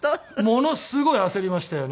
ものすごい焦りましたよね。